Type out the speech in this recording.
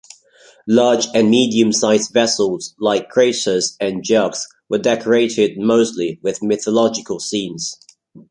Large and medium-sized vessels like "kraters" and jugs were decorated mostly with mythological scenes.